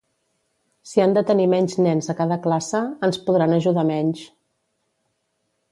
Si han de tenir menys nens a cada classe, ens podran ajudar menys.